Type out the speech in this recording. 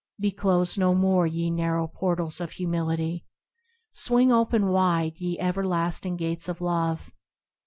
Be closed no more, ye narrow portals of Humility! Swing open wide, ye everlasting gates of Love !